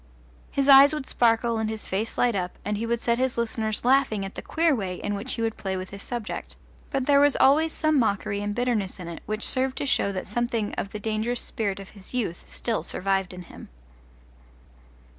His eyes would sparkle and his face light up, and he would set his listeners laughing at the queer way in which he would play with his subject; but there was always some mockery and bitterness in it which served to show that something of the dangerous spirit of his youth still survived in him.